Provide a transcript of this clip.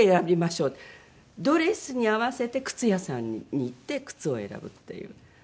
ドレスに合わせて靴屋さんに行って靴を選ぶっていうそういう。